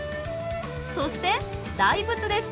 そして大仏です。